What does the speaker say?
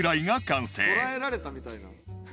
捕らえられたみたいな。